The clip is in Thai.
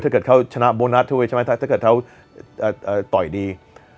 ถ้าเกิดเขาชนะโบนัสถ้าเกิดเขาต่อยดี